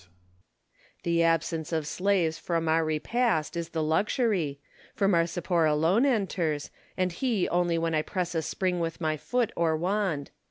The absence of slaves from our repast is the luxury, for Marcipor alone enters, and he only when I press a spring with my foot or wand.